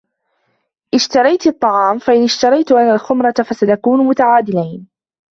اشتريتِ الطعام ، فإن اشتريتُ أنا الخمرة فسنكون متعادلين.